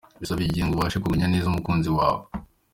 Bisaba igihe ngo ubashe kumenya neza umukunzi wawe.